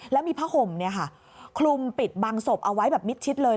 แล้วมีผ้าห่มคลุมปิดบังศพเอาไว้แบบมิดชิดเลย